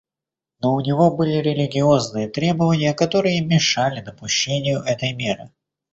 Но у него были религиозные требования, которые мешали допущению этой меры.